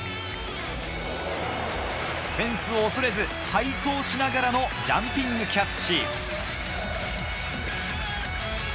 フェンスを恐れず、背走しながらのダイビングキャッチ。